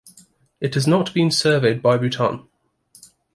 It has not been surveyed by Bhutan.